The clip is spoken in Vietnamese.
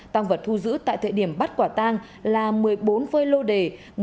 tăng vật thu giữ tại thời điểm bắt quả tang là một mươi bốn phơi lô đề